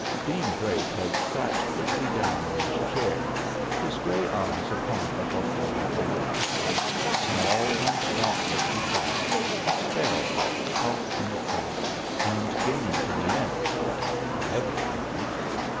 Dean Drake had sat quickly down in his chair, his gray eye upon the hulking buccaroo. Small and dauntless he sat, a sparrow hawk caught in a trap, and game to the end whatever end.